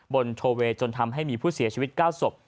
โทเวย์จนทำให้มีผู้เสียชีวิต๙ศพ